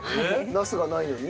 ナスがないのに？